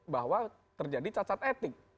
bahwa terjadi cacat etik